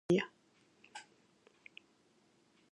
The name comes from the "black gumbo" soil prevalent in the area.